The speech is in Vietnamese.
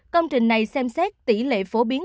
công trình này xem xét tỷ lệ phổ biến